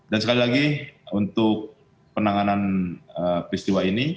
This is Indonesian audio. sekali lagi untuk penanganan peristiwa ini